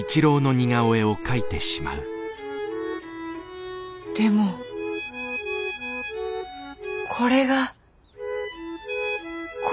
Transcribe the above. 心の声でもこれが恋？